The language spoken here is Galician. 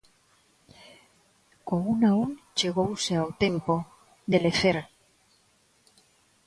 Co un a un chegouse ao tempo de lecer.